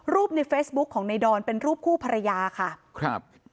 ในเฟซบุ๊คของในดอนเป็นรูปคู่ภรรยาค่ะครับ